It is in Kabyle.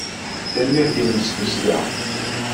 Tanemmirt-nnem s tussda!